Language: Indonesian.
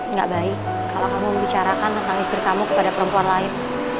nggak baik kalau kamu membicarakan tentang istri kamu kepada perempuan lain